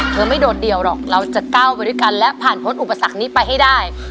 ไม่โดดเดี่ยวหรอกเราจะก้าวไปด้วยกันและผ่านพ้นอุปสรรคนี้ไปให้ได้